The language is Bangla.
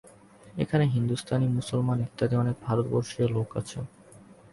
এখানে হিন্দুস্থানী, মুসলমান ইত্যাদি অনেক ভারতবর্ষীয় লোক আছে।